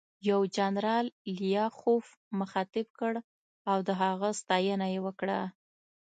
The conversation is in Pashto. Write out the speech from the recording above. یو جنرال لیاخوف مخاطب کړ او د هغه ستاینه یې وکړه